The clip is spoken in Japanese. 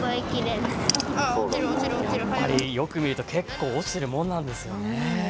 やっぱりよく見ると結構落ちているもんなんですよね。